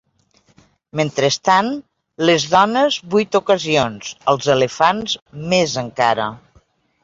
Mentrestant, les dones vuit ocasions. Els elefants, més encara.